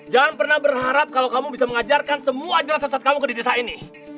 jangan pernah berharap kalau kamu bisa mengajarkan semua jalan sesat kamuku di desa ini